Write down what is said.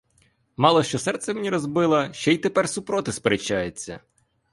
Мало, що серце мені розбила, ще й тепер супроти сперечається!